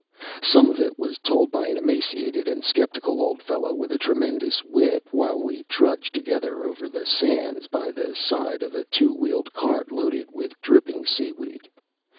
Some of it was told by an emaciated and sceptical old fellow with a tremendous whip, while we trudged together over the sands by the side of a two wheeled cart loaded with dripping seaweed.